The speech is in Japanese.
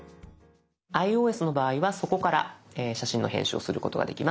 ｉＯＳの場合はそこから写真の編集をすることができます。